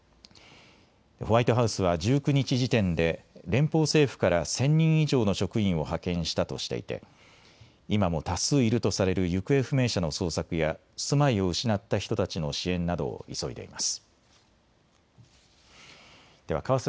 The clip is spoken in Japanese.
ホワイトハウスは１９日時点で連邦政府から１０００人以上の職員を派遣したとしていて今も多数いるとされる行方不明者の捜索や住まいを失った人たちの支援などを急いでいます。